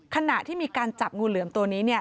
ขณะที่มีการจับงูเหลือมตัวนี้เนี่ย